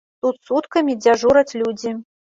Тут суткамі дзяжураць людзі.